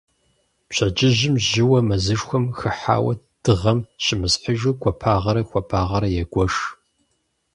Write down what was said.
Пщэдджыжьым жьыуэ мэзышхуэм хыхьауэ дыгъэм щымысхьыжу гуапагъэрэ хуабагъэрэ егуэш.